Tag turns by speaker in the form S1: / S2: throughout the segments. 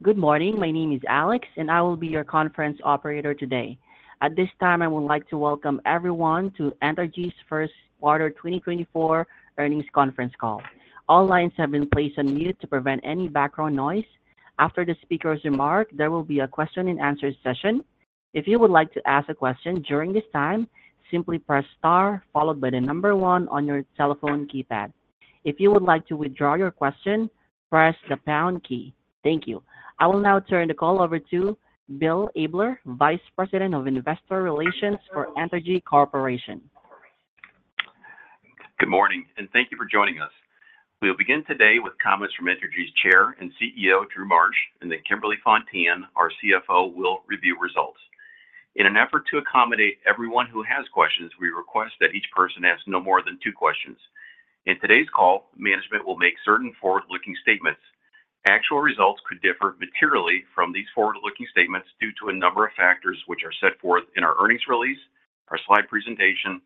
S1: Good morning, my name is Alex, and I will be your conference operator today. At this time, I would like to Welcome everyone to Entergy's First Quarter 2024 Earnings Conference Call. All lines have been placed on mute to prevent any background noise. After the speaker's remark, there will be a question-and-answer session. If you would like to ask a question during this time, simply press star followed by the number one on your telephone keypad. If you would like to withdraw your question, press the pound key. Thank you. I will now turn the call over to Bill Abler, Vice President of Investor Relations for Entergy Corporation.
S2: Good morning, and thank you for joining us. We'll begin today with comments from Entergy's Chair and CEO Drew Marsh, and then Kimberly Fontan, our CFO, will review results. In an effort to accommodate everyone who has questions, we request that each person ask no more than two questions. In today's call, management will make certain forward-looking statements. Actual results could differ materially from these forward-looking statements due to a number of factors which are set forth in our earnings release, our slide presentation,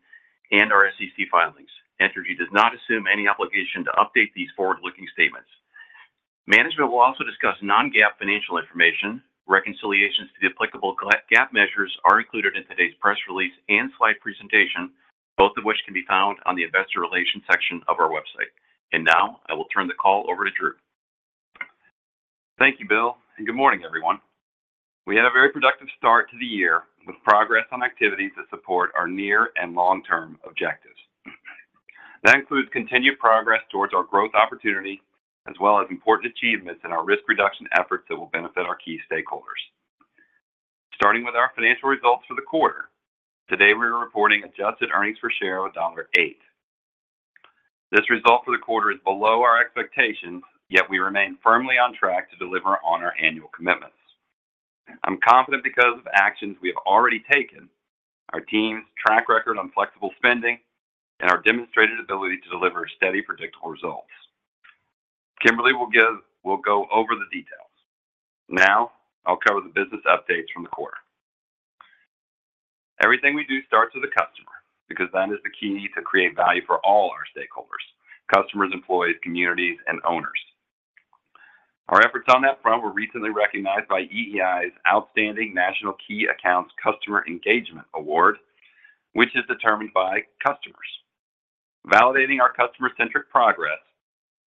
S2: and our SEC filings. Entergy does not assume any obligation to update these forward-looking statements. Management will also discuss non-GAAP financial information. Reconciliations to the applicable GAAP measures are included in today's press release and slide presentation, both of which can be found on the Investor Relations section of our website. Now I will turn the call over to Drew.
S3: Thank you, Bill, and good morning, everyone. We had a very productive start to the year with progress on activities that support our near and long-term objectives. That includes continued progress towards our growth opportunity as well as important achievements in our risk reduction efforts that will benefit our key stakeholders. Starting with our financial results for the quarter, today we are reporting adjusted earnings per share of $1.08. This result for the quarter is below our expectations, yet we remain firmly on track to deliver on our annual commitments. I'm confident because of actions we have already taken, our team's track record on flexible spending, and our demonstrated ability to deliver steady, predictable results. Kimberly will go over the details. Now I'll cover the business updates from the quarter. Everything we do starts with the customer because that is the key to create value for all our stakeholders: customers, employees, communities, and owners. Our efforts on that front were recently recognized by EEI's Outstanding National Key Accounts Customer Engagement Award, which is determined by customers. Validating our customer-centric progress,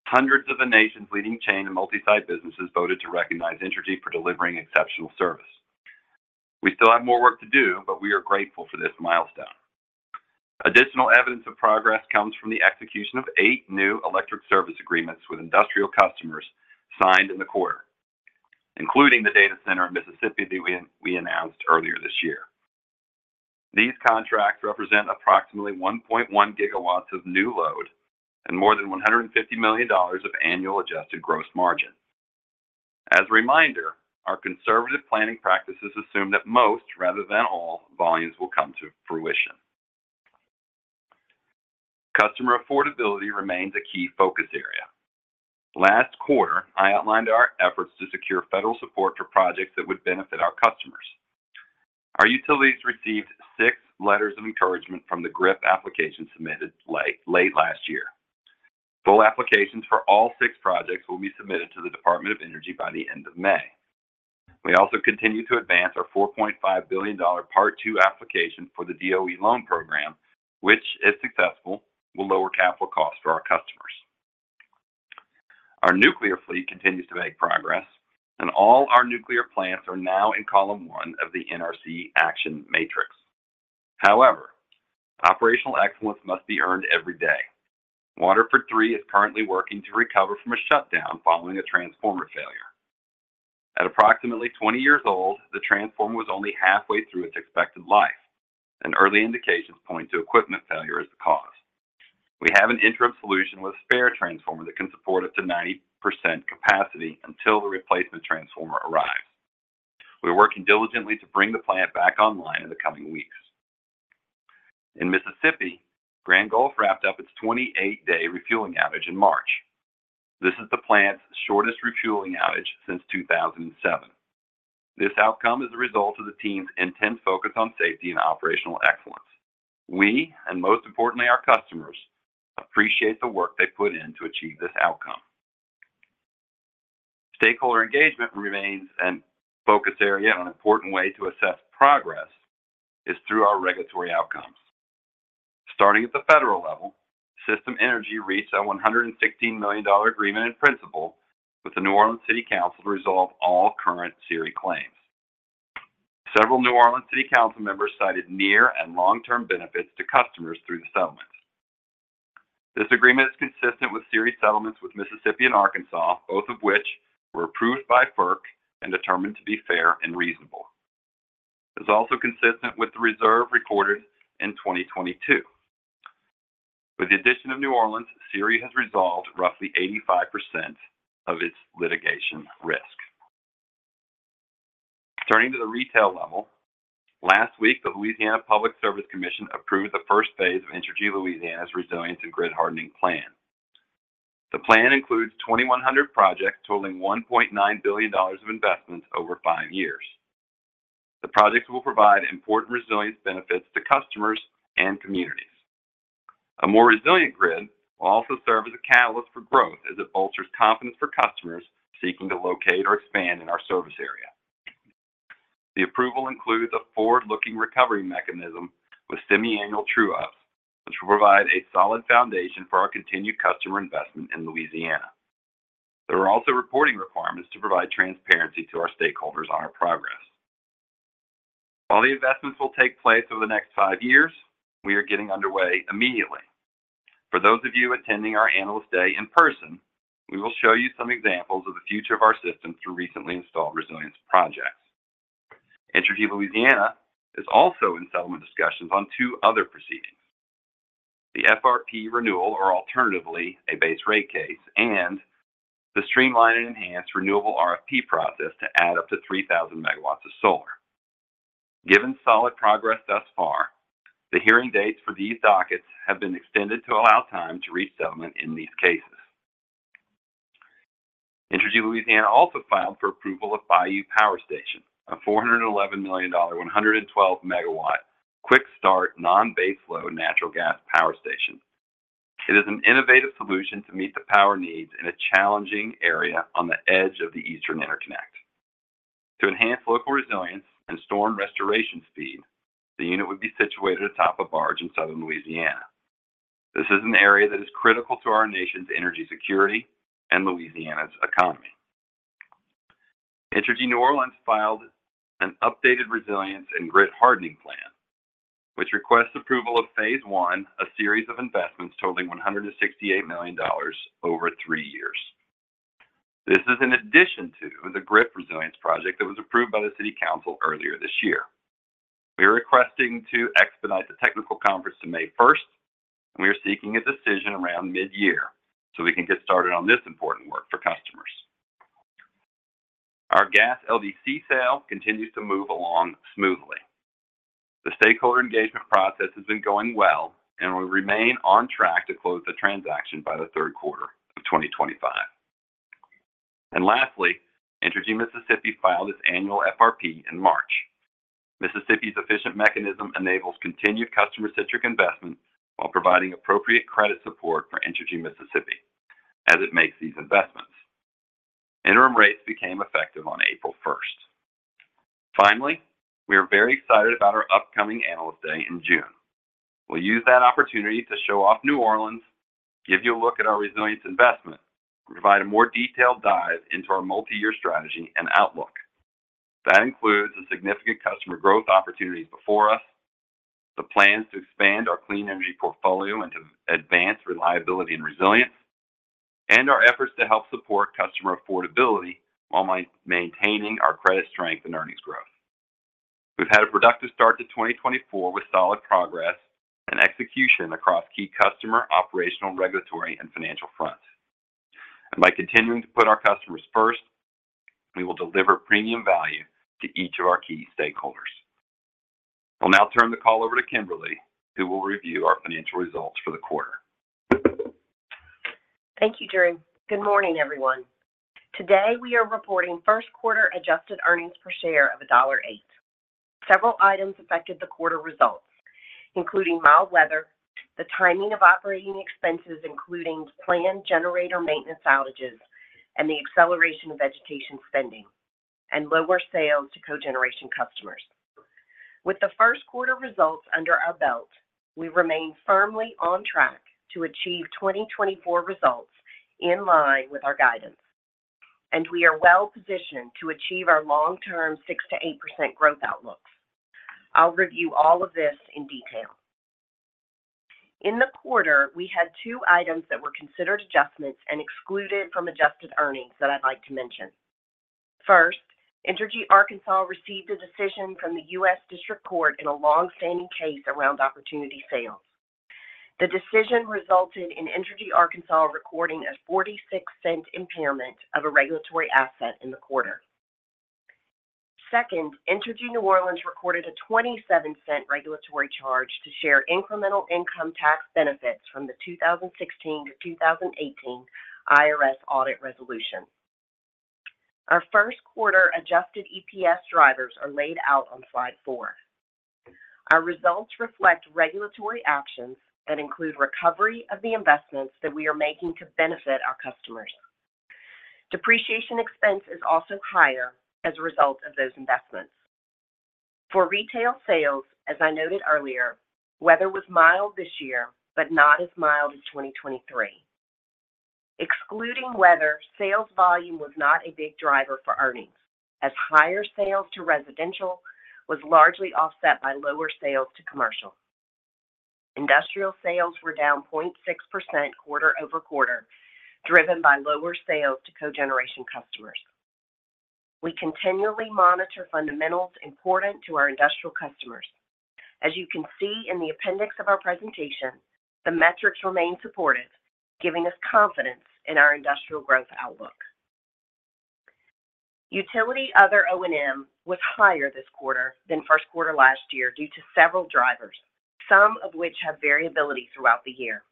S3: hundreds of the nation's leading chain and multi-site businesses voted to recognize Entergy for delivering exceptional service. We still have more work to do, but we are grateful for this milestone. Additional evidence of progress comes from the execution of 8 new electric service agreements with industrial customers signed in the quarter, including the data center in Mississippi that we announced earlier this year. These contracts represent approximately 1.1 GW of new load and more than $150 million of annual adjusted gross margin. As a reminder, our conservative planning practices assume that most, rather than all, volumes will come to fruition. Customer affordability remains a key focus area. Last quarter, I outlined our efforts to secure federal support for projects that would benefit our customers. Our utilities received six letters of encouragement from the GRIP application submitted late last year. Full applications for all six projects will be submitted to the Department of Energy by the end of May. We also continue to advance our $4.5 billion Part II application for the DOE loan program, which, if successful, will lower capital costs for our customers. Our nuclear fleet continues to make progress, and all our nuclear plants are now in column one of the NRC Action Matrix. However, operational excellence must be earned every day. Waterford 3 is currently working to recover from a shutdown following a transformer failure. At approximately 20 years old, the transformer was only halfway through its expected life, and early indications point to equipment failure as the cause. We have an interim solution with a spare transformer that can support up to 90% capacity until the replacement transformer arrives. We're working diligently to bring the plant back online in the coming weeks. In Mississippi, Grand Gulf wrapped up its 28-day refueling outage in March. This is the plant's shortest refueling outage since 2007. This outcome is the result of the team's intense focus on safety and operational excellence. We, and most importantly our customers, appreciate the work they put in to achieve this outcome. Stakeholder engagement remains a focus area, and an important way to assess progress is through our regulatory outcomes. Starting at the federal level, System Energy reached a $116 million agreement in principle with the New Orleans City Council to resolve all current SERI claims. Several New Orleans City Council members cited near and long-term benefits to customers through the settlements. This agreement is consistent with SERI settlements with Mississippi and Arkansas, both of which were approved by FERC and determined to be fair and reasonable. It's also consistent with the reserve recorded in 2022. With the addition of New Orleans, SERI has resolved roughly 85% of its litigation risk. Turning to the retail level, last week the Louisiana Public Service Commission approved the first phase of Entergy Louisiana's Resilience and Grid Hardening Plan. The plan includes 2,100 projects totaling $1.9 billion of investment over five years. The projects will provide important resilience benefits to customers and communities. A more resilient grid will also serve as a catalyst for growth as it bolsters confidence for customers seeking to locate or expand in our service area. The approval includes a forward-looking recovery mechanism with semi-annual true-ups, which will provide a solid foundation for our continued customer investment in Louisiana. There are also reporting requirements to provide transparency to our stakeholders on our progress. While the investments will take place over the next five years, we are getting underway immediately. For those of you attending our Analyst Day in person, we will show you some examples of the future of our system through recently installed resilience projects. Entergy Louisiana is also in settlement discussions on two other proceedings: the FRP renewal, or alternatively a base rate case, and the streamline and enhance renewable RFP process to add up to 3,000 MW of solar. Given solid progress thus far, the hearing dates for these dockets have been extended to allow time to reach settlement in these cases. Entergy Louisiana also filed for approval of Bayou Power Station, a $411 million, 112 MW quick-start non-base load natural gas power station. It is an innovative solution to meet the power needs in a challenging area on the edge of the Eastern Interconnect. To enhance local resilience and storm restoration speed, the unit would be situated atop a barge in southern Louisiana. This is an area that is critical to our nation's energy security and Louisiana's economy. Entergy New Orleans filed an updated resilience and grid hardening plan, which requests approval of phase one, a series of investments totaling $168 million over three years. This is in addition to the GRIP resilience project that was approved by the City Council earlier this year. We are requesting to expedite the technical conference to May 1st, and we are seeking a decision around mid-year so we can get started on this important work for customers. Our gas LDC sale continues to move along smoothly. The stakeholder engagement process has been going well, and we remain on track to close the transaction by the third quarter of 2025. Lastly, Entergy Mississippi filed its annual FRP in March. Mississippi's efficient mechanism enables continued customer-centric investment while providing appropriate credit support for Entergy Mississippi as it makes these investments. Interim rates became effective on April 1st. Finally, we are very excited about our upcoming Analyst Day in June. We'll use that opportunity to show off New Orleans, give you a look at our resilience investment, and provide a more detailed dive into our multi-year strategy and outlook. That includes the significant customer growth opportunities before us, the plans to expand our clean energy portfolio and to advance reliability and resilience, and our efforts to help support customer affordability while maintaining our credit strength and earnings growth. We've had a productive start to 2024 with solid progress and execution across key customer, operational, regulatory, and financial fronts. By continuing to put our customers first, we will deliver premium value to each of our key stakeholders. I'll now turn the call over to Kimberly, who will review our financial results for the quarter.
S4: Thank you, Drew. Good morning, everyone. Today we are reporting first quarter adjusted earnings per share of $1.08. Several items affected the quarter results, including mild weather, the timing of operating expenses including planned generator maintenance outages and the acceleration of vegetation spending, and lower sales to co-generation customers. With the first quarter results under our belt, we remain firmly on track to achieve 2024 results in line with our guidance, and we are well positioned to achieve our long-term 6%-8% growth outlooks. I'll review all of this in detail. In the quarter, we had two items that were considered adjustments and excluded from adjusted earnings that I'd like to mention. First, Entergy Arkansas received a decision from the U.S. District Court in a long-standing case around opportunity sales. The decision resulted in Entergy Arkansas recording a $0.46 impairment of a regulatory asset in the quarter. Second, Entergy New Orleans recorded a $0.27 regulatory charge to share incremental income tax benefits from the 2016 to 2018 IRS audit resolution. Our first quarter adjusted EPS drivers are laid out on slide 4. Our results reflect regulatory actions that include recovery of the investments that we are making to benefit our customers. Depreciation expense is also higher as a result of those investments. For retail sales, as I noted earlier, weather was mild this year but not as mild as 2023. Excluding weather, sales volume was not a big driver for earnings, as higher sales to residential was largely offset by lower sales to commercial. Industrial sales were down 0.6% quarter-over-quarter, driven by lower sales to co-generation customers. We continually monitor fundamentals important to our industrial customers. As you can see in the appendix of our presentation, the metrics remain supportive, giving us confidence in our industrial growth outlook. Utility Other O&M was higher this quarter than first quarter last year due to several drivers, some of which have variability throughout the year.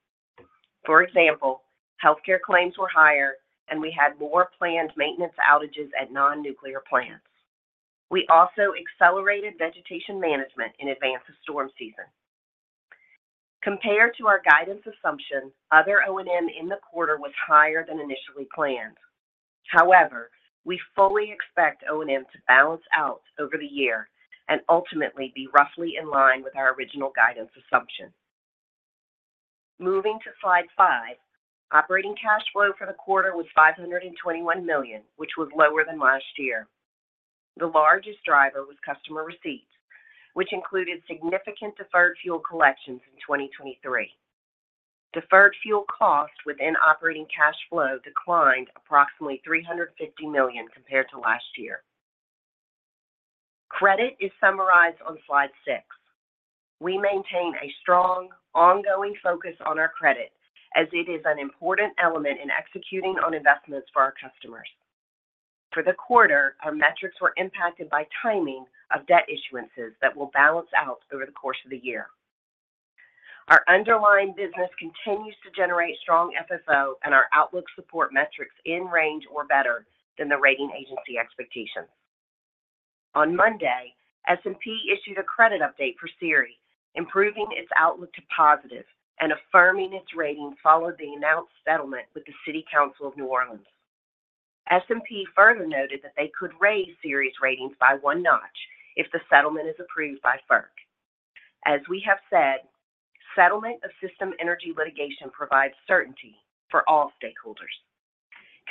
S4: For example, healthcare claims were higher, and we had more planned maintenance outages at non-nuclear plants. We also accelerated vegetation management in advance of storm season. Compared to our guidance assumption, Other O&M in the quarter was higher than initially planned. However, we fully expect O&M to balance out over the year and ultimately be roughly in line with our original guidance assumption. Moving to slide five, operating cash flow for the quarter was $521 million, which was lower than last year. The largest driver was customer receipts, which included significant deferred fuel collections in 2023. Deferred fuel cost within operating cash flow declined approximately $350 million compared to last year. Credit is summarized on slide 6. We maintain a strong, ongoing focus on our credit as it is an important element in executing on investments for our customers. For the quarter, our metrics were impacted by timing of debt issuances that will balance out over the course of the year. Our underlying business continues to generate strong FFO, and our outlook supports metrics in range or better than the rating agency expectations. On Monday, S&P issued a credit update for SERI, improving its outlook to positive and affirming its rating following the announced settlement with the City Council of New Orleans. S&P further noted that they could raise SERI's ratings by one notch if the settlement is approved by FERC. As we have said, settlement of System Energy litigation provides certainty for all stakeholders.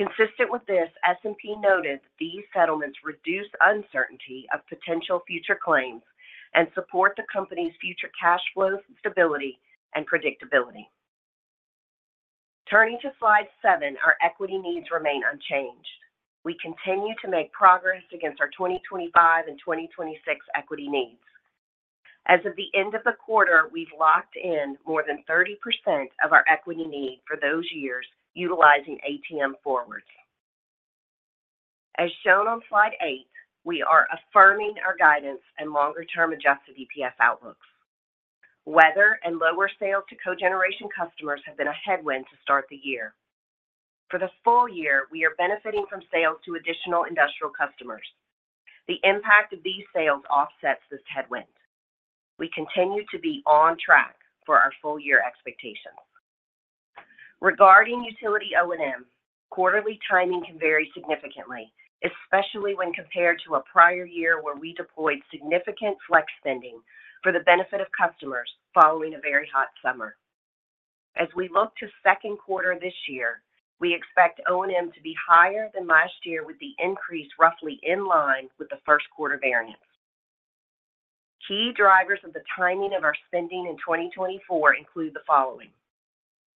S4: Consistent with this, S&P noted that these settlements reduce uncertainty of potential future claims and support the company's future cash flow stability and predictability. Turning to slide 7, our equity needs remain unchanged. We continue to make progress against our 2025 and 2026 equity needs. As of the end of the quarter, we've locked in more than 30% of our equity need for those years utilizing ATM forwards. As shown on slide 8, we are affirming our guidance and longer-term adjusted EPS outlooks. Weather and lower sales to co-generation customers have been a headwind to start the year. For the full year, we are benefiting from sales to additional industrial customers. The impact of these sales offsets this headwind. We continue to be on track for our full-year expectations. Regarding utility O&M, quarterly timing can vary significantly, especially when compared to a prior year where we deployed significant flex spending for the benefit of customers following a very hot summer. As we look to second quarter this year, we expect O&M to be higher than last year with the increase roughly in line with the first quarter variance. Key drivers of the timing of our spending in 2024 include the following: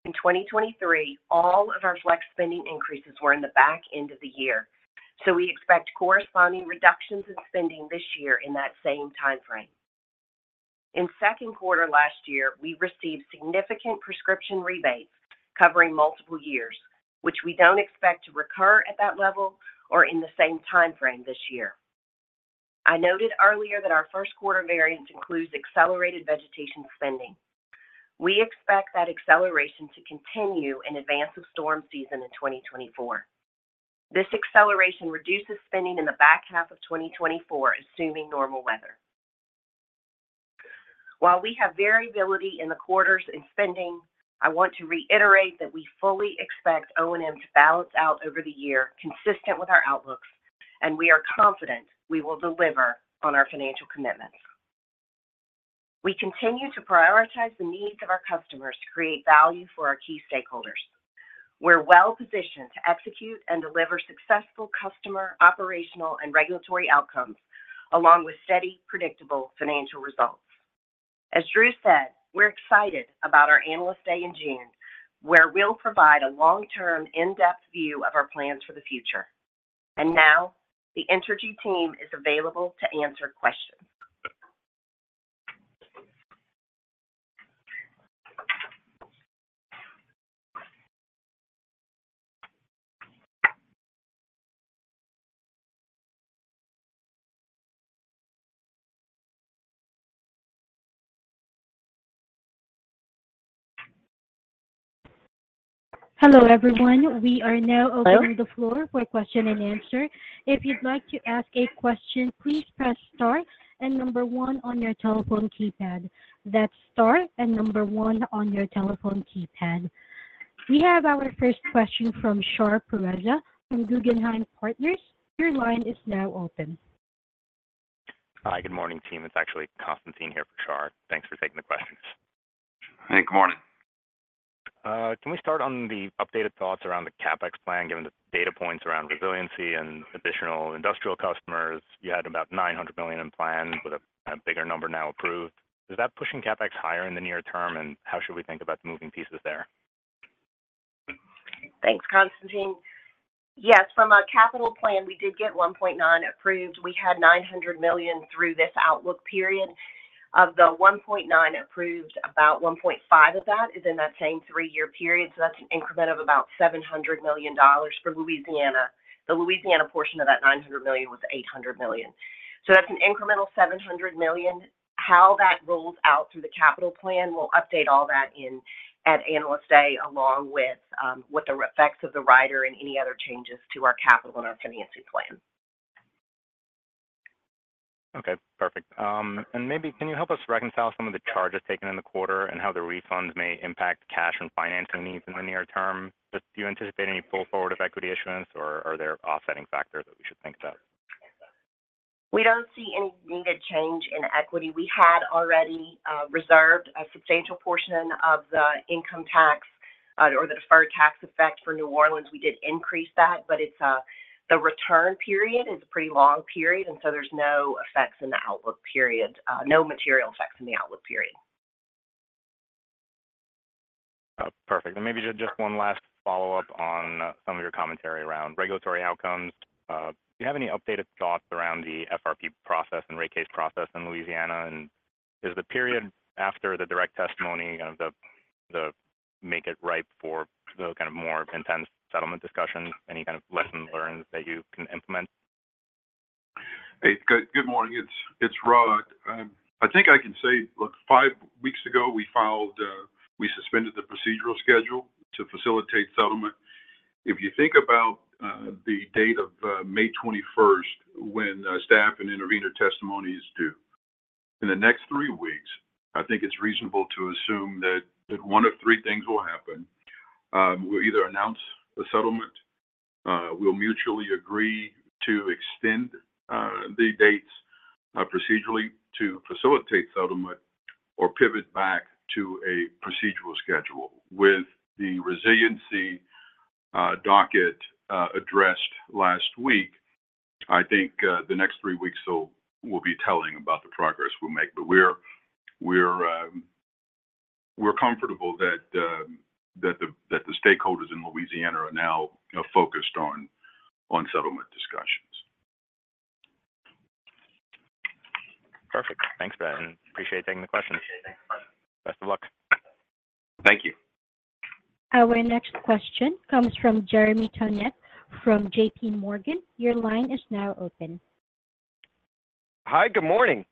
S4: in 2023, all of our flex spending increases were in the back end of the year, so we expect corresponding reductions in spending this year in that same time frame. In second quarter last year, we received significant prescription rebates covering multiple years, which we don't expect to recur at that level or in the same time frame this year. I noted earlier that our first quarter variance includes accelerated vegetation spending. We expect that acceleration to continue in advance of storm season in 2024. This acceleration reduces spending in the back half of 2024, assuming normal weather. While we have variability in the quarters in spending, I want to reiterate that we fully expect O&M to balance out over the year consistent with our outlooks, and we are confident we will deliver on our financial commitments. We continue to prioritize the needs of our customers to create value for our key stakeholders. We're well positioned to execute and deliver successful customer, operational, and regulatory outcomes along with steady, predictable financial results. As Drew said, we're excited about our Analyst Day in June, where we'll provide a long-term, in-depth view of our plans for the future. And now, the Entergy team is available to answer questions.
S1: Hello, everyone. We are now opening the floor for question and answer. If you'd like to ask a question, please press star and number one on your telephone keypad. That's star and number one on your telephone keypad. We have our first question from Shar Pourreza from Guggenheim Partners. Your line is now open.
S5: Hi, good morning, team. It's actually Constantine here for Shar. Thanks for taking the questions.
S3: Hey, good morning.
S5: Can we start on the updated thoughts around the CapEx plan, given the data points around resiliency and additional industrial customers? You had about $900 million in plan with a bigger number now approved. Is that pushing CapEx higher in the near term, and how should we think about moving pieces there?
S4: Thanks, Constantine. Yes, from a capital plan, we did get 1.9 approved. We had $900 million through this outlook period. Of the 1.9 approved, about 1.5 of that is in that same three-year period, so that's an increment of about $700 million for Louisiana. The Louisiana portion of that $900 million was $800 million. So that's an incremental $700 million. How that rolls out through the capital plan, we'll update all that at Analyst Day along with what the effects of the rider and any other changes to our capital and our financing plan.
S5: Okay, perfect. And maybe can you help us reconcile some of the charges taken in the quarter and how the refunds may impact cash and financing needs in the near term? Do you anticipate any pull forward of equity issuance, or are there offsetting factors that we should think about?
S4: We don't see any needed change in equity. We had already reserved a substantial portion of the income tax or the deferred tax effect for New Orleans. We did increase that, but the return period is a pretty long period, and so there's no effects in the outlook period. No material effects in the outlook period.
S5: Perfect. And maybe just one last follow-up on some of your commentary around regulatory outcomes. Do you have any updated thoughts around the FRP process and rate case process in Louisiana? And is the period after the direct testimony going to make it ripe for the kind of more intense settlement discussions, any kind of lessons learned that you can implement?
S6: Hey, good morning. It's Rod. I think I can say, look, 5 weeks ago, we suspended the procedural schedule to facilitate settlement. If you think about the date of May 21st, when staff and intervenor testimony is due, in the next 3 weeks, I think it's reasonable to assume that one of 3 things will happen. We'll either announce the settlement, we'll mutually agree to extend the dates procedurally to facilitate settlement, or pivot back to a procedural schedule. With the resiliency docket addressed last week, I think the next 3 weeks will be telling about the progress we'll make. But we're comfortable that the stakeholders in Louisiana are now focused on settlement discussions.
S5: Perfect. Thanks, Ben, and appreciate taking the questions. Best of luck.
S6: Thank you.
S1: Our next question comes from Jeremy Tonet from JPMorgan. Your line is now open.
S7: Hi, good morning.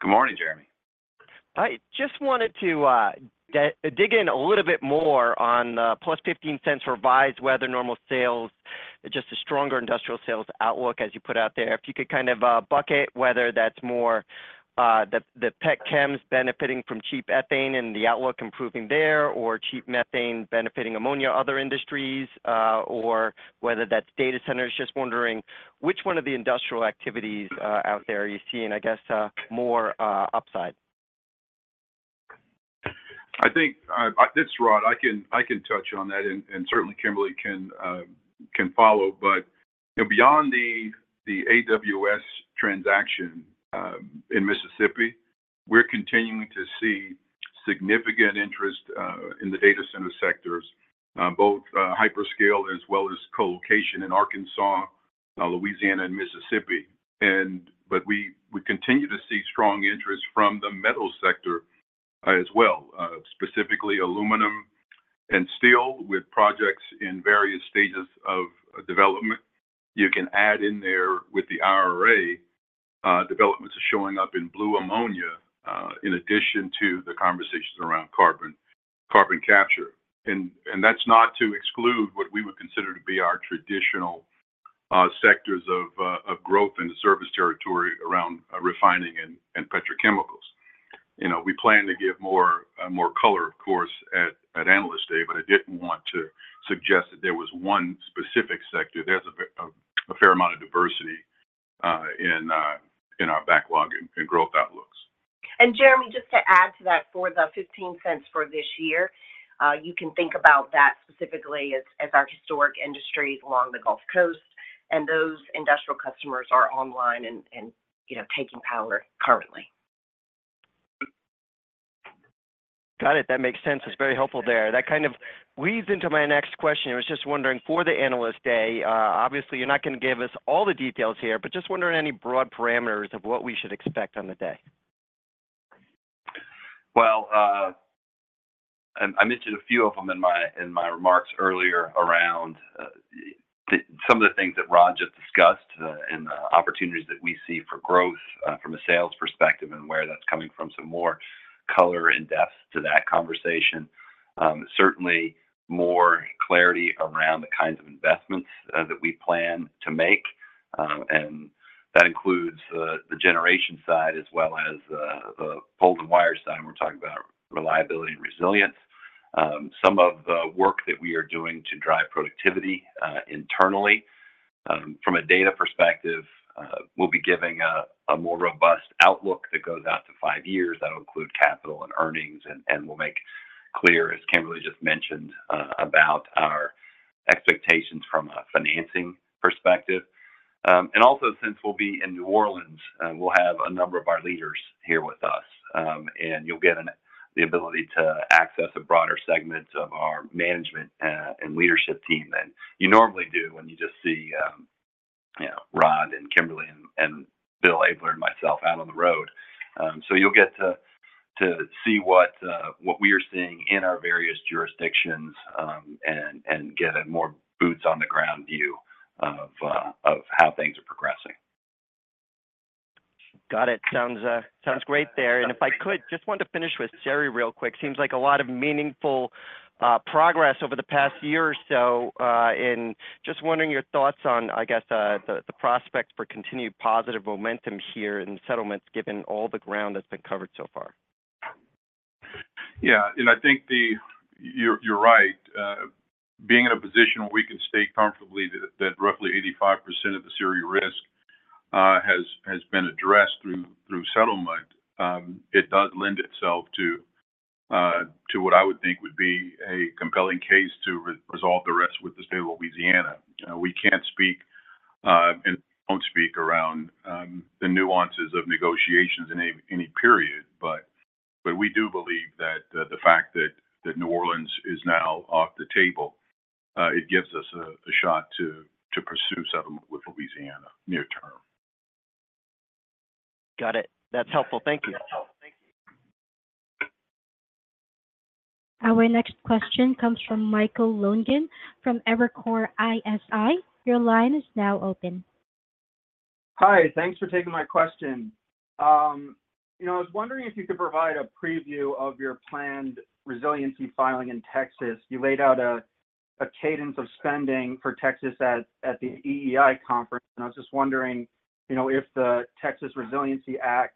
S3: Good morning, Jeremy.
S7: Hi. Just wanted to dig in a little bit more on the +$0.15 revised weather normal sales, just a stronger industrial sales outlook as you put out there. If you could kind of bucket whether that's more the pet chems benefiting from cheap ethane and the outlook improving there, or cheap methane benefiting ammonia other industries, or whether that's data centers. Just wondering which one of the industrial activities out there are you seeing, I guess, more upside?
S6: I think it's Rod. I can touch on that, and certainly Kimberly can follow. But beyond the AWS transaction in Mississippi, we're continuing to see significant interest in the data center sectors, both hyperscale as well as collocation in Arkansas, Louisiana, and Mississippi. But we continue to see strong interest from the metal sector as well, specifically aluminum and steel with projects in various stages of development. You can add in there with the IRA, developments are showing up in blue ammonia in addition to the conversations around carbon capture. And that's not to exclude what we would consider to be our traditional sectors of growth and service territory around refining and petrochemicals. We plan to give more color, of course, at Analyst Day, but I didn't want to suggest that there was one specific sector. There's a fair amount of diversity in our backlog and growth outlooks.
S4: Jeremy, just to add to that, for the $0.15 for this year, you can think about that specifically as our historic industries along the Gulf Coast, and those industrial customers are online and taking power currently.
S7: Got it. That makes sense. That's very helpful there. That kind of weaves into my next question. I was just wondering, for the Analyst Day, obviously, you're not going to give us all the details here, but just wondering any broad parameters of what we should expect on the day.
S3: Well, I mentioned a few of them in my remarks earlier around some of the things that Rod just discussed and the opportunities that we see for growth from a sales perspective and where that's coming from, some more color and depth to that conversation. Certainly, more clarity around the kinds of investments that we plan to make. That includes the generation side as well as the poles and wires side. We're talking about reliability and resilience. Some of the work that we are doing to drive productivity internally from a data perspective, we'll be giving a more robust outlook that goes out to five years. That'll include capital and earnings, and we'll make clear, as Kimberly just mentioned, about our expectations from a financing perspective. Also, since we'll be in New Orleans, we'll have a number of our leaders here with us, and you'll get the ability to access a broader segment of our management and leadership team than you normally do when you just see Rod and Kimberly and Bill Abler and myself out on the road. You'll get to see what we are seeing in our various jurisdictions and get a more boots-on-the-ground view of how things are progressing.
S7: Got it. Sounds great there. And if I could, just wanted to finish with Jeremy real quick. Seems like a lot of meaningful progress over the past year or so. And just wondering your thoughts on, I guess, the prospect for continued positive momentum here in settlements, given all the ground that's been covered so far.
S6: Yeah. And I think you're right. Being in a position where we can state comfortably that roughly 85% of the SERI risk has been addressed through settlement, it does lend itself to what I would think would be a compelling case to resolve the rest with the state of Louisiana. We can't speak and don't speak around the nuances of negotiations in any period, but we do believe that the fact that New Orleans is now off the table, it gives us a shot to pursue settlement with Louisiana near term.
S7: Got it. That's helpful. Thank you.
S1: Our next question comes from Michael Lonegan from Evercore ISI. Your line is now open.
S8: Hi. Thanks for taking my question. I was wondering if you could provide a preview of your planned resiliency filing in Texas. You laid out a cadence of spending for Texas at the EEI conference, and I was just wondering if the Texas Resiliency Act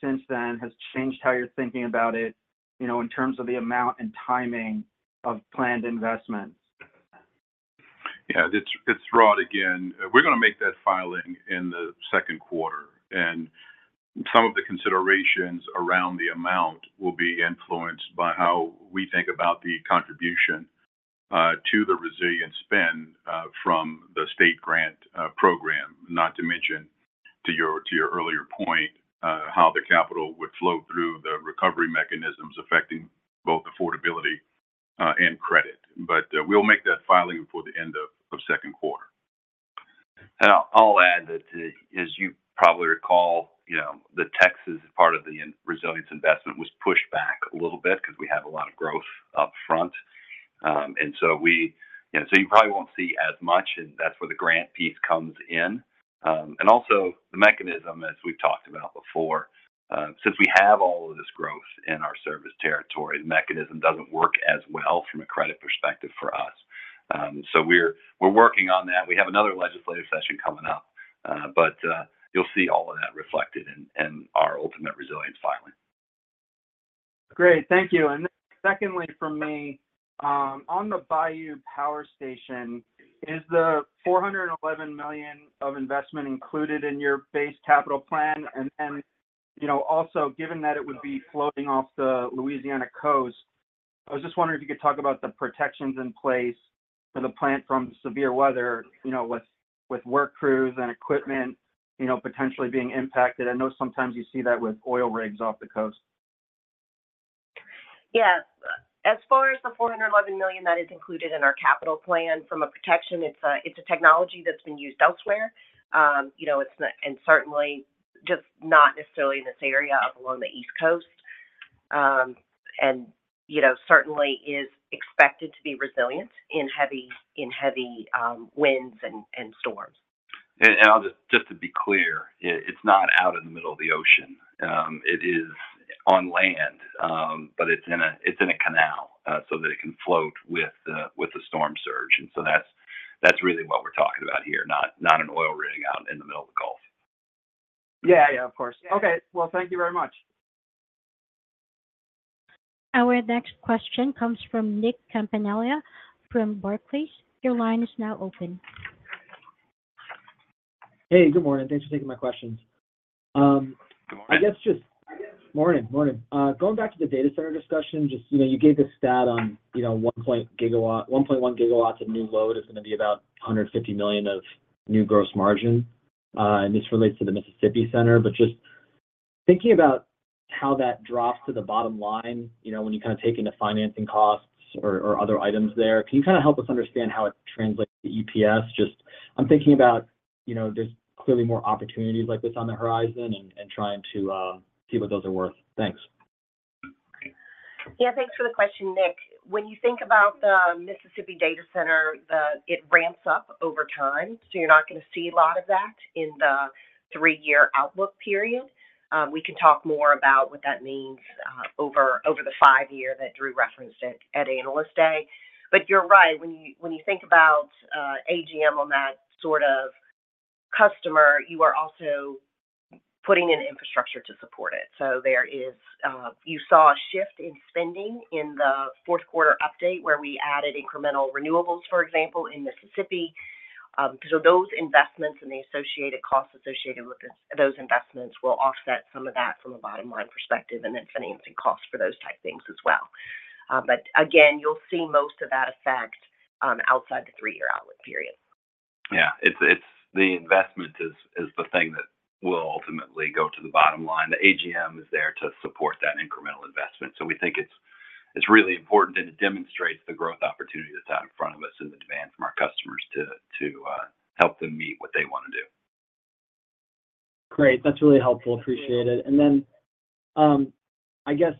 S8: since then has changed how you're thinking about it in terms of the amount and timing of planned investments.
S6: Yeah. It's Rod again. We're going to make that filing in the second quarter, and some of the considerations around the amount will be influenced by how we think about the contribution to the resilient spend from the state grant program, not to mention, to your earlier point, how the capital would flow through the recovery mechanisms affecting both affordability and credit. But we'll make that filing before the end of second quarter.
S3: I'll add that, as you probably recall, the Texas part of the resilience investment was pushed back a little bit because we have a lot of growth upfront. And so you probably won't see as much, and that's where the grant piece comes in. And also, the mechanism, as we've talked about before, since we have all of this growth in our service territory, the mechanism doesn't work as well from a credit perspective for us. So we're working on that. We have another legislative session coming up, but you'll see all of that reflected in our ultimate resilience filing.
S8: Great. Thank you. And then secondly from me, on the Bayou Power Station, is the $411 million of investment included in your base capital plan? And then also, given that it would be floating off the Louisiana coast, I was just wondering if you could talk about the protections in place for the plant from severe weather with work crews and equipment potentially being impacted. I know sometimes you see that with oil rigs off the coast.
S4: Yeah. As far as the $411 million that is included in our capital plan from a protection, it's a technology that's been used elsewhere, and certainly just not necessarily in this area along the East Coast, and certainly is expected to be resilient in heavy winds and storms.
S3: Just to be clear, it's not out in the middle of the ocean. It is on land, but it's in a canal so that it can float with the storm surge. And so that's really what we're talking about here, not an oil rig out in the middle of the Gulf.
S8: Yeah, yeah, of course. Okay. Well, thank you very much.
S1: Our next question comes from Nick Campanella from Barclays. Your line is now open.
S9: Hey, good morning. Thanks for taking my questions. I guess just morning, morning. Going back to the data center discussion, just you gave the stat on 1.1 GW of new load is going to be about $150 million of new gross margin, and this relates to the Mississippi Center. But just thinking about how that drops to the bottom line when you kind of take into financing costs or other items there, can you kind of help us understand how it translates to EPS? Just I'm thinking about there's clearly more opportunities like this on the horizon and trying to see what those are worth. Thanks.
S4: Yeah. Thanks for the question, Nick. When you think about the Mississippi data center, it ramps up over time, so you're not going to see a lot of that in the three-year outlook period. We can talk more about what that means over the five-year that Drew referenced at Analyst Day. But you're right. When you think about AGM on that sort of customer, you are also putting in infrastructure to support it. So you saw a shift in spending in the fourth quarter update where we added incremental renewables, for example, in Mississippi. So those investments and the associated costs associated with those investments will offset some of that from a bottom-line perspective and then financing costs for those type things as well. But again, you'll see most of that effect outside the three-year outlook period.
S3: Yeah. The investment is the thing that will ultimately go to the bottom line. The AGM is there to support that incremental investment. So we think it's really important, and it demonstrates the growth opportunity that's out in front of us and the demand from our customers to help them meet what they want to do.
S9: Great. That's really helpful. Appreciate it. And then I guess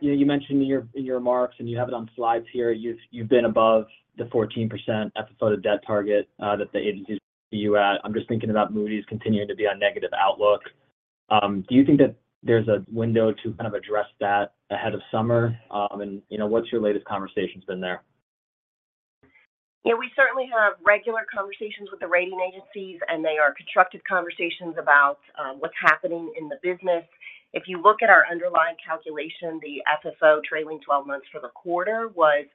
S9: you mentioned in your remarks, and you have it on slides here, you've been above the 14% FFO to debt target that the agencies put you at. I'm just thinking about Moody's continuing to be on negative outlook. Do you think that there's a window to kind of address that ahead of summer? And what's your latest conversations been there?
S4: Yeah. We certainly have regular conversations with the rating agencies, and they are constructed conversations about what's happening in the business. If you look at our underlying calculation, the FFO trailing 12 months for the quarter was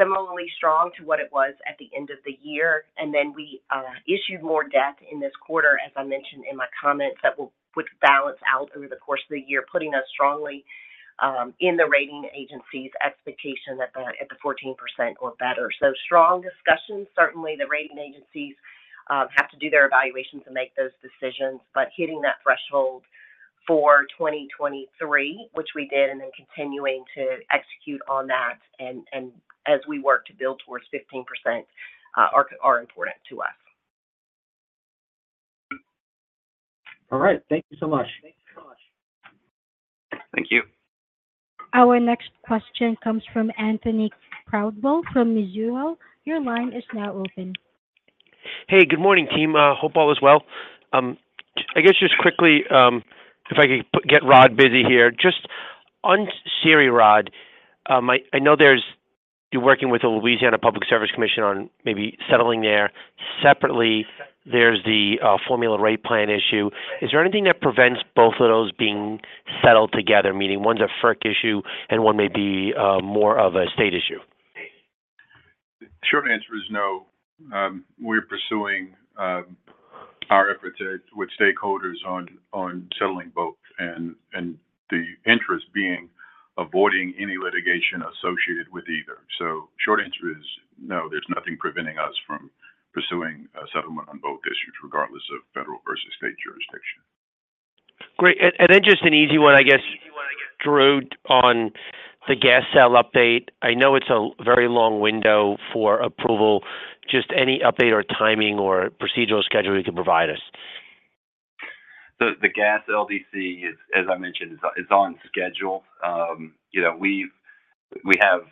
S4: similarly strong to what it was at the end of the year. And then we issued more debt in this quarter, as I mentioned in my comments, that would balance out over the course of the year, putting us strongly in the rating agency's expectation at the 14% or better. So strong discussions. Certainly, the rating agencies have to do their evaluations and make those decisions. But hitting that threshold for 2023, which we did, and then continuing to execute on that as we work to build towards 15% are important to us.
S9: All right. Thank you so much.
S3: Thank you.
S1: Our next question comes from Anthony Crowdell from Mizuho. Your line is now open.
S10: Hey, good morning, team. Hope all is well. I guess just quickly, if I could get Rod busy here. Just on SERI, Rod, I know you're working with the Louisiana Public Service Commission on maybe settling there. Separately, there's the formula rate plan issue. Is there anything that prevents both of those being settled together, meaning one's a FERC issue and one may be more of a state issue?
S6: The short answer is no. We're pursuing our efforts with stakeholders on settling both, and the interest being avoiding any litigation associated with either. So short answer is no. There's nothing preventing us from pursuing a settlement on both issues, regardless of federal versus state jurisdiction.
S10: Great. And then just an easy one, I guess, Drew, on the gas cell update. I know it's a very long window for approval. Just any update or timing or procedural schedule you can provide us.
S3: The gas LDC, as I mentioned, is on schedule. We have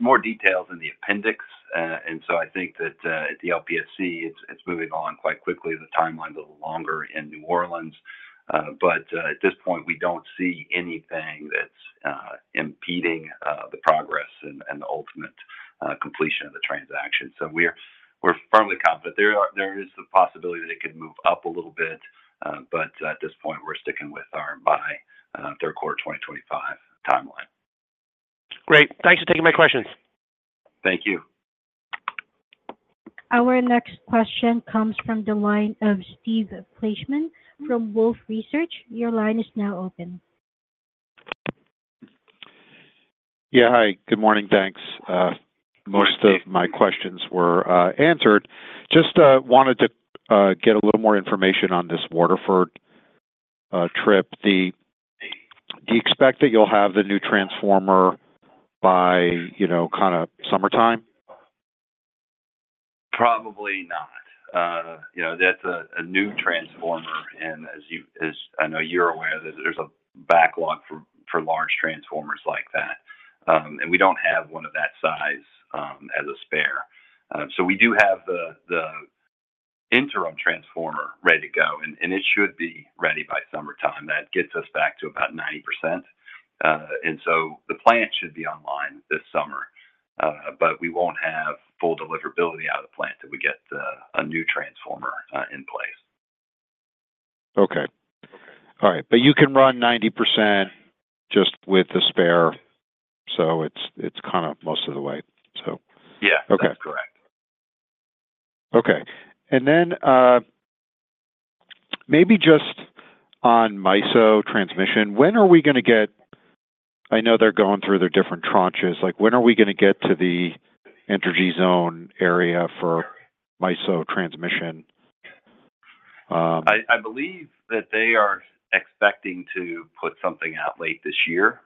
S3: more details in the appendix, and so I think that at the LPSC, it's moving along quite quickly. The timeline is a little longer in New Orleans. But at this point, we don't see anything that's impeding the progress and the ultimate completion of the transaction. So we're firmly confident. There is the possibility that it could move up a little bit, but at this point, we're sticking with our by third quarter 2025 timeline.
S10: Great. Thanks for taking my questions.
S3: Thank you.
S1: Our next question comes from the line of Steve Fleishman from Wolfe Research. Your line is now open.
S11: Yeah. Hi. Good morning. Thanks. Most of my questions were answered. Just wanted to get a little more information on this Waterford 3. Do you expect that you'll have the new transformer by kind of summertime?
S3: Probably not. That's a new transformer, and as I know you're aware, there's a backlog for large transformers like that, and we don't have one of that size as a spare. So we do have the interim transformer ready to go, and it should be ready by summertime. That gets us back to about 90%. And so the plant should be online this summer, but we won't have full deliverability out of the plant until we get a new transformer in place.
S11: Okay. All right. But you can run 90% just with the spare, so it's kind of most of the way, so.
S3: Yeah. That's correct.
S11: Okay. And then maybe just on MISO transmission, when are we going to get? I know they're going through their different tranches. When are we going to get to the energy zone area for MISO transmission?
S3: I believe that they are expecting to put something out late this year,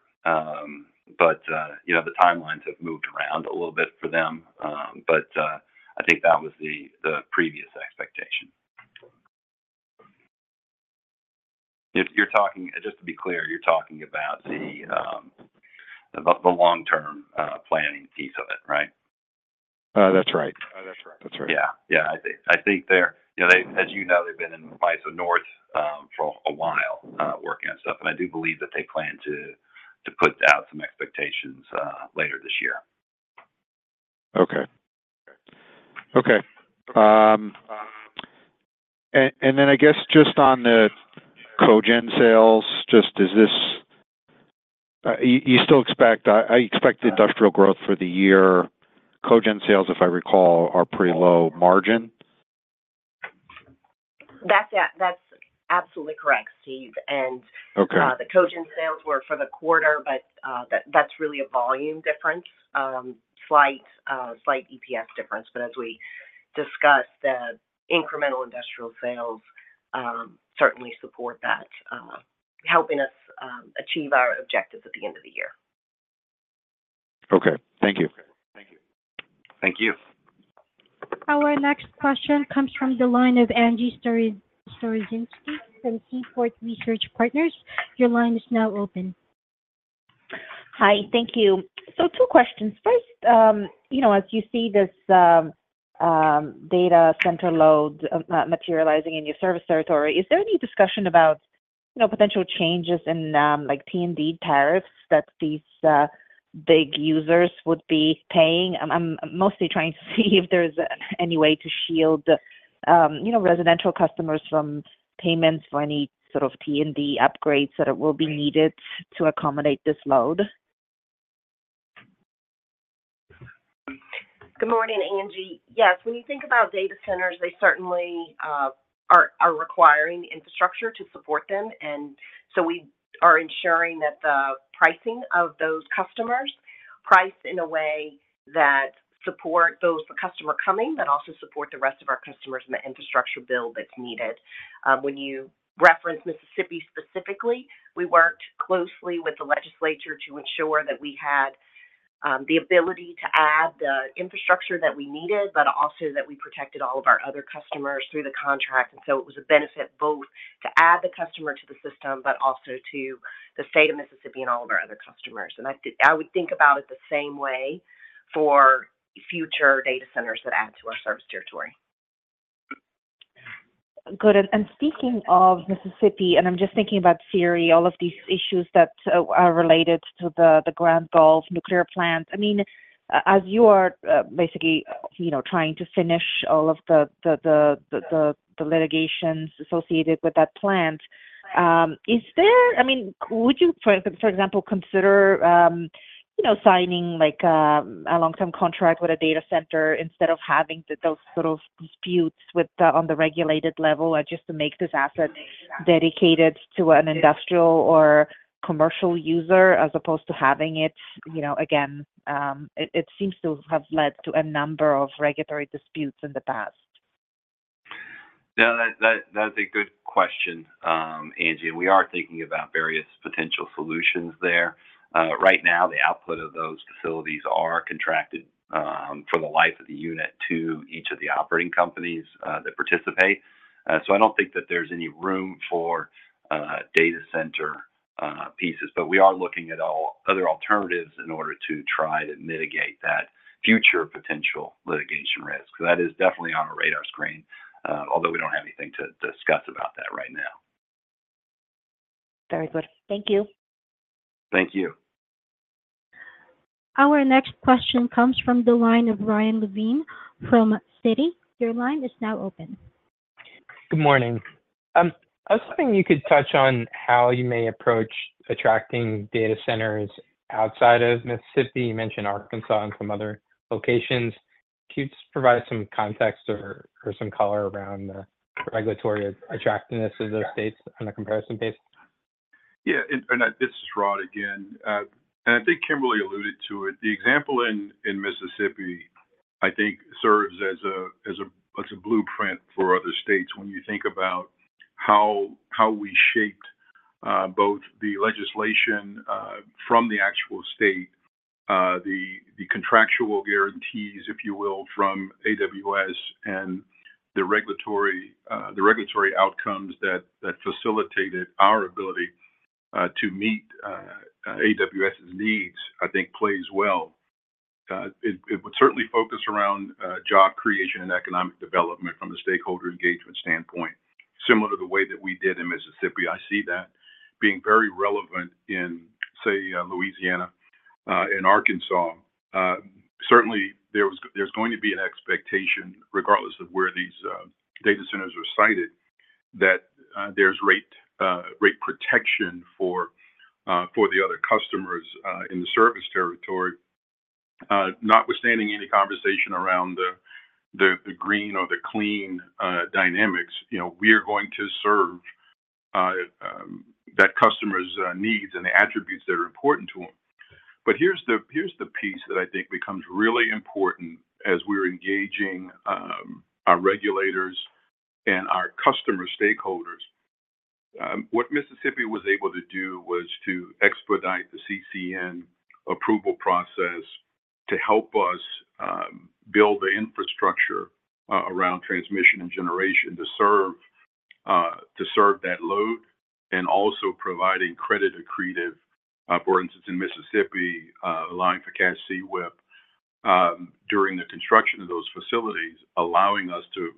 S3: but the timelines have moved around a little bit for them. But I think that was the previous expectation. Just to be clear, you're talking about the long-term planning piece of it, right?
S11: That's right. That's right. That's right.
S3: Yeah. Yeah. I think they're as you know, they've been in MISO North for a while working on stuff, and I do believe that they plan to put out some expectations later this year.
S11: Okay. Okay. And then I guess just on the Cogen sales, just does this you still expect I expect industrial growth for the year. Cogen sales, if I recall, are pretty low margin.
S4: That's absolutely correct, Steve. And the Cogen sales were for the quarter, but that's really a volume difference, slight EPS difference. But as we discussed, the incremental industrial sales certainly support that, helping us achieve our objectives at the end of the year.
S11: Okay. Thank you.
S3: Thank you.
S11: Thank you.
S1: Our next question comes from the line of Angie Storozynski from Seaport Research Partners. Your line is now open.
S12: Hi. Thank you. So two questions. First, as you see this data center load materializing in your service territory, is there any discussion about potential changes in T&D tariffs that these big users would be paying? I'm mostly trying to see if there's any way to shield residential customers from payments for any sort of T&D upgrades that will be needed to accommodate this load.
S4: Good morning, Angie. Yes. When you think about data centers, they certainly are requiring infrastructure to support them. And so we are ensuring that the pricing of those customers is priced in a way that supports the customer coming, but also supports the rest of our customers and the infrastructure bill that's needed. When you reference Mississippi specifically, we worked closely with the legislature to ensure that we had the ability to add the infrastructure that we needed, but also that we protected all of our other customers through the contract. And so it was a benefit both to add the customer to the system, but also to the state of Mississippi and all of our other customers. And I would think about it the same way for future data centers that add to our service territory.
S12: Good. And speaking of Mississippi, and I'm just thinking about SERI, all of these issues that are related to the Grand Gulf nuclear plant. I mean, as you are basically trying to finish all of the litigations associated with that plant, is there—I mean, would you, for example, consider signing a long-term contract with a data center instead of having those sort of disputes on the regulated level just to make this asset dedicated to an industrial or commercial user as opposed to having it again? It seems to have led to a number of regulatory disputes in the past.
S3: Yeah. That's a good question, Angie. We are thinking about various potential solutions there. Right now, the output of those facilities are contracted for the life of the unit to each of the operating companies that participate. So I don't think that there's any room for data center pieces, but we are looking at other alternatives in order to try to mitigate that future potential litigation risk. That is definitely on our radar screen, although we don't have anything to discuss about that right now.
S12: Very good. Thank you.
S3: Thank you.
S1: Our next question comes from the line of Ryan Levine from Citi. Your line is now open.
S13: Good morning. I was hoping you could touch on how you may approach attracting data centers outside of Mississippi. You mentioned Arkansas and some other locations. Can you just provide some context or some color around the regulatory attractiveness of those states on a comparison basis?
S6: Yeah. And this is Rod again. And I think Kimberly alluded to it. The example in Mississippi, I think, serves as a blueprint for other states when you think about how we shaped both the legislation from the actual state, the contractual guarantees, if you will, from AWS, and the regulatory outcomes that facilitated our ability to meet AWS's needs, I think, plays well. It would certainly focus around job creation and economic development from a stakeholder engagement standpoint, similar to the way that we did in Mississippi. I see that being very relevant in, say, Louisiana and Arkansas. Certainly, there's going to be an expectation, regardless of where these data centers are sited, that there's rate protection for the other customers in the service territory. Notwithstanding any conversation around the green or the clean dynamics, we're going to serve that customer's needs and the attributes that are important to them. But here's the piece that I think becomes really important as we're engaging our regulators and our customer stakeholders. What Mississippi was able to do was to expedite the CCN approval process to help us build the infrastructure around transmission and generation to serve that load and also providing credit accretive. For instance, in Mississippi, allowing for cash CWIP during the construction of those facilities, allowing us to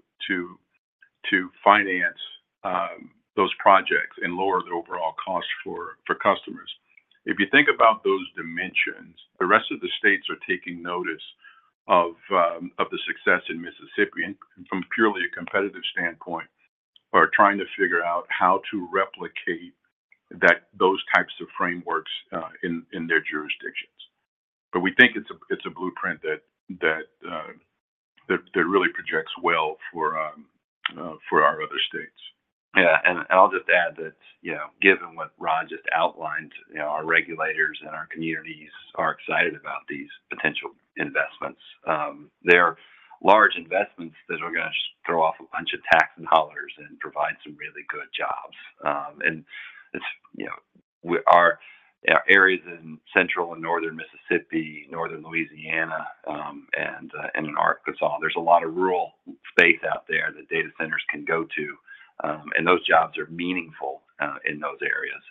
S6: finance those projects and lower the overall cost for customers. If you think about those dimensions, the rest of the states are taking notice of the success in Mississippi and from purely a competitive standpoint are trying to figure out how to replicate those types of frameworks in their jurisdictions. But we think it's a blueprint that really projects well for our other states.
S3: Yeah. I'll just add that given what Rod just outlined, our regulators and our communities are excited about these potential investments. They're large investments that are going to throw off a bunch of tax and dollars and provide some really good jobs. Our areas in central and northern Mississippi, northern Louisiana, and in Arkansas, there's a lot of rural space out there that data centers can go to, and those jobs are meaningful in those areas.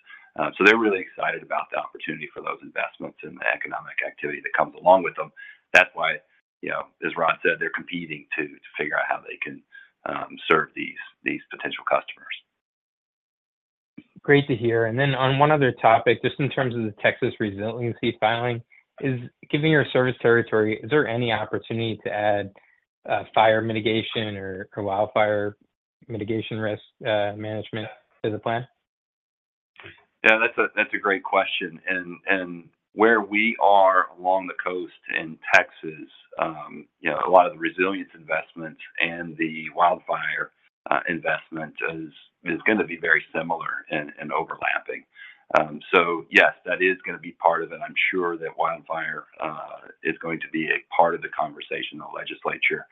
S3: They're really excited about the opportunity for those investments and the economic activity that comes along with them. That's why, as Rod said, they're competing to figure out how they can serve these potential customers.
S13: Great to hear. And then on one other topic, just in terms of the Texas resiliency filing, given your service territory, is there any opportunity to add fire mitigation or wildfire mitigation risk management to the plan?
S3: Yeah. That's a great question. And where we are along the coast in Texas, a lot of the resilience investments and the wildfire investment is going to be very similar and overlapping. So yes, that is going to be part of it. I'm sure that wildfire is going to be a part of the conversation in the legislature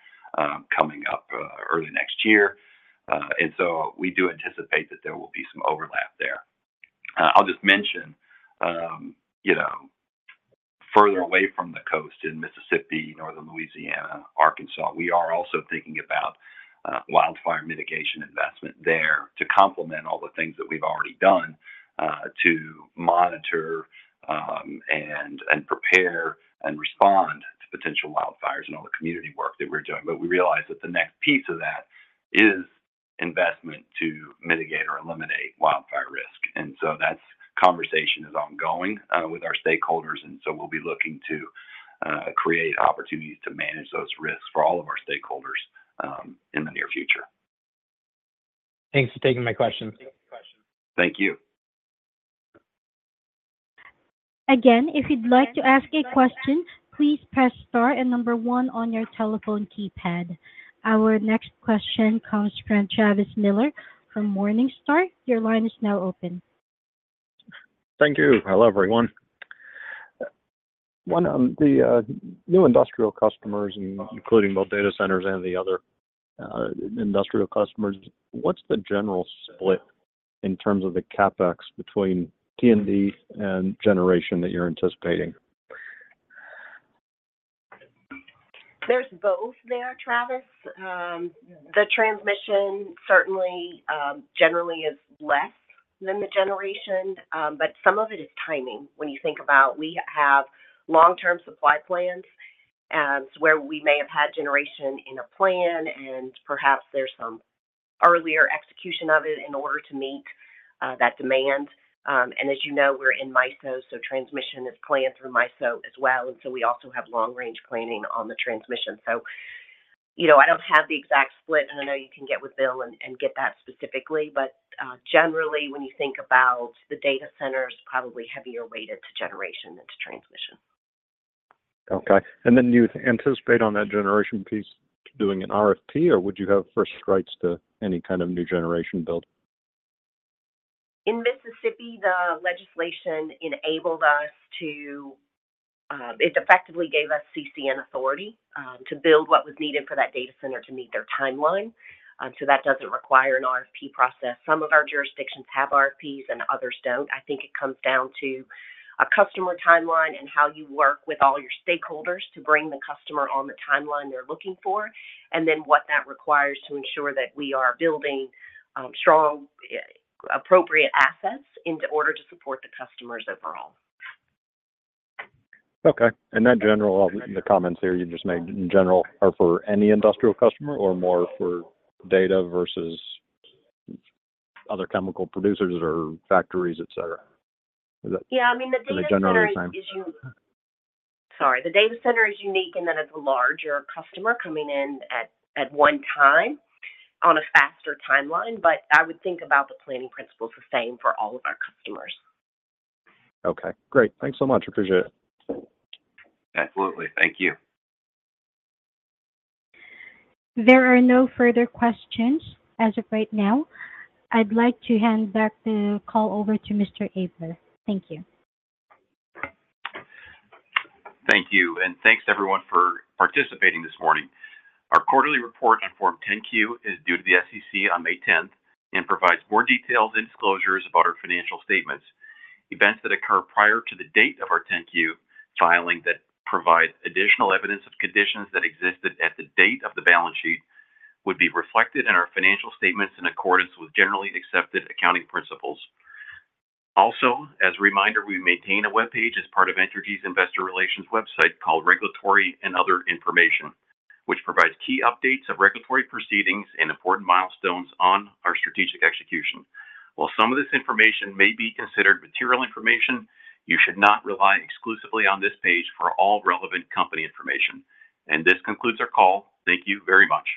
S3: coming up early next year. And so we do anticipate that there will be some overlap there. I'll just mention, further away from the coast in Mississippi, northern Louisiana, Arkansas, we are also thinking about wildfire mitigation investment there to complement all the things that we've already done to monitor and prepare and respond to potential wildfires and all the community work that we're doing. But we realize that the next piece of that is investment to mitigate or eliminate wildfire risk. And so that conversation is ongoing with our stakeholders, and so we'll be looking to create opportunities to manage those risks for all of our stakeholders in the near future.
S13: Thanks for taking my question.
S3: Thank you.
S1: Again, if you'd like to ask a question, please press star and number one on your telephone keypad. Our next question comes from Travis Miller from Morningstar. Your line is now open.
S14: Thank you. Hello, everyone. 1, the new industrial customers, including both data centers and the other industrial customers, what's the general split in terms of the CapEx between T&D and generation that you're anticipating?
S4: There's both there, Travis. The transmission certainly generally is less than the generation, but some of it is timing. When you think about we have long-term supply plans where we may have had generation in a plan, and perhaps there's some earlier execution of it in order to meet that demand. And as you know, we're in MISO, so transmission is planned through MISO as well. And so we also have long-range planning on the transmission. So I don't have the exact split, and I know you can get with Bill and get that specifically. But generally, when you think about the data centers, probably heavier weighted to generation than to transmission.
S14: Okay. And then do you anticipate on that generation piece doing an RFP, or would you have first strikes to any kind of new generation build?
S4: In Mississippi, the legislation enabled us to it, effectively gave us CCN authority to build what was needed for that data center to meet their timeline. So that doesn't require an RFP process. Some of our jurisdictions have RFPs, and others don't. I think it comes down to a customer timeline and how you work with all your stakeholders to bring the customer on the timeline they're looking for, and then what that requires to ensure that we are building strong, appropriate assets in order to support the customers overall.
S14: Okay. And that general, the comments here you just made in general are for any industrial customer or more for data versus other chemical producers or factories, etc.? Is that the general understanding?
S4: Yeah. I mean, the data center is unique. Sorry. The data center is unique, and then it's a larger customer coming in at one time on a faster timeline. But I would think about the planning principles the same for all of our customers.
S14: Okay. Great. Thanks so much. Appreciate it.
S3: Absolutely. Thank you.
S1: There are no further questions as of right now. I'd like to hand back the call over to Mr. Abler. Thank you.
S2: Thank you. Thanks, everyone, for participating this morning. Our quarterly report on Form 10-Q is due to the SEC on May 10th and provides more details and disclosures about our financial statements. Events that occur prior to the date of our 10-Q filing that provide additional evidence of conditions that existed at the date of the balance sheet would be reflected in our financial statements in accordance with generally accepted accounting principles. Also, as a reminder, we maintain a webpage as part of Entergy's investor relations website called Regulatory and Other Information, which provides key updates of regulatory proceedings and important milestones on our strategic execution. While some of this information may be considered material information, you should not rely exclusively on this page for all relevant company information. This concludes our call. Thank you very much.